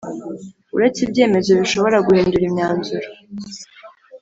uretse ibyemezo bishobora guhindura imyanzura